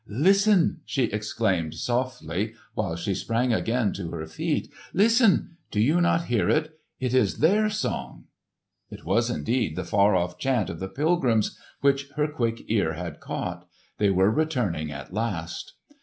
"Listen!" she exclaimed softly while she sprang again to her feet. "Listen! do you not hear it? It is their song!" It was indeed the far off chant of the pilgrims which her quick ear had caught. They were returning at last!